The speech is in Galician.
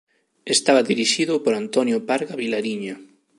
Estaba dirixido por Antonio Parga Vilariño.